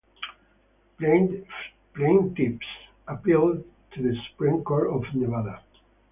Plaintiffs appealed to the Supreme Court of Nevada.